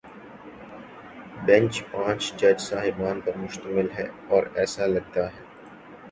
Bench پانچ جج صاحبان پر مشتمل ہے، اور ایسا لگتا ہے۔